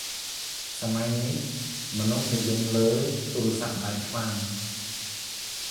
ស័មយនេះ មនុស្សនិយមលើ ទូរស័ព្ទដៃខ្លាំង ។